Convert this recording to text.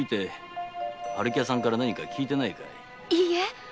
いいえ！